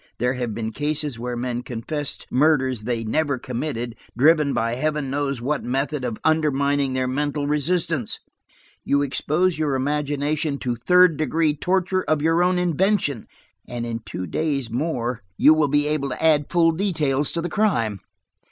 "There have been cases where men confessed murders they never committed, driven by Heaven knows what method of undermining their mental resistance. You expose your imagination to 'third degree' torture of your own invention, and in two days more you will be able to add full details of the crime."